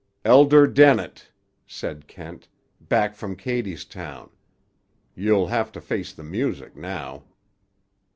"Elder Dennett," said Kent, "back from Cadystown. You'll have to face the music now."